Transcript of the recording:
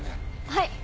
はい。